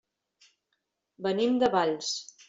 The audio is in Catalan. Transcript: Venim de Valls.